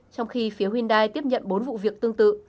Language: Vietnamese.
trong khi phía hyundai tiếp nhận bốn vụ việc tương tự